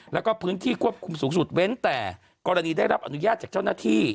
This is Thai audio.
แล้วก็พื้นที่ควบคุมสูงสุดเว้นแต่กรณีได้รับอนุญาตจากเจ้าหน้าที่